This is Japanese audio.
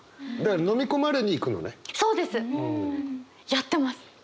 やってます。